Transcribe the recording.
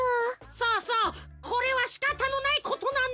そうそうこれはしかたのないことなんだ。